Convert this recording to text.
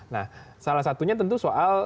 nah salah satunya tentu soal